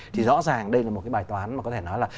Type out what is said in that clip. thì rõ ràng đây là một cái bài toán mà có thể nói là